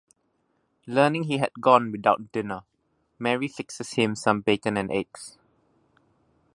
Learning he had gone without dinner, Mary fixes him some bacon and eggs.